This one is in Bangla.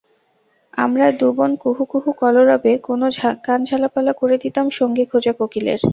আমরা দুবোন কুহু কুহু কলরবে কান ঝালাপালা করে দিতাম সঙ্গী খোঁজা কোকিলের।